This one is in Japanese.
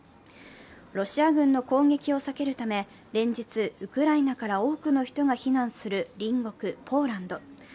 ロシア軍の攻撃を避けるため連日、ウクライナから多くの人が避難する隣国、ポーランド。